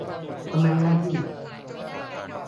ตำแหน่งหน้าที่